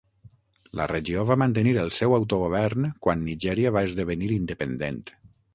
La regió va mantenir el seu autogovern quan Nigèria va esdevenir independent.